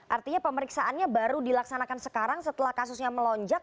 artinya pemeriksaannya baru dilaksanakan sekarang setelah kasusnya melonjak